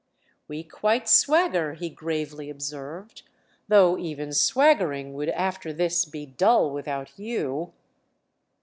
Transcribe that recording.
"We quite swagger," he gravely observed—"though even swaggering would after this be dull without you."